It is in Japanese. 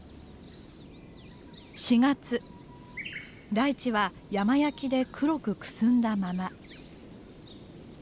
台地は山焼きで黒くくすんだまま。